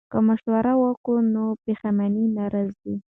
که مشوره وکړو نو پښیماني نه راځي.